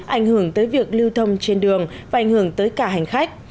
ảnh hưởng tới việc lưu thông trên đường và ảnh hưởng tới cả hành khách